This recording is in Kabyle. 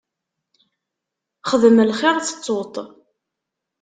Xdem lxiṛ, tettuḍ-t.